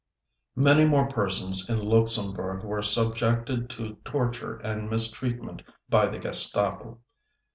Many more persons in Luxembourg were subjected to torture and mistreatment by the Gestapo.